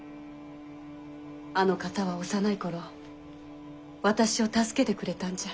あの方は幼い頃私を助けてくれたんじゃ。